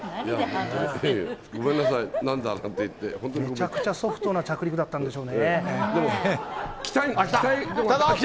めちゃくちゃソフトな着陸だったんでしょうね。来た！来たぞ。